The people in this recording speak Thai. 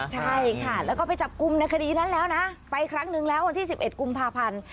ใช่ค่ะแล้วก็ไปจับกลุ่มในคดีนั้นแล้วนะไปครั้งนึงแล้ววันที่๑๑กุมภาพันธ์